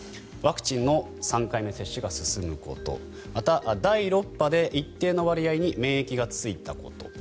ワクチンの３回目接種が進むことまた、第６波で一定の割合に免疫がついたこと。